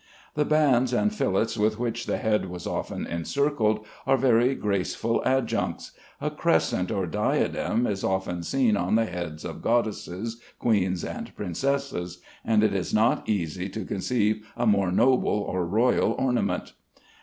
The bands and fillets with which the head was often encircled are very graceful adjuncts. A crescent or diadem is often seen on the heads of goddesses, queens, and princesses; and it is not easy to conceive a more noble or royal ornament.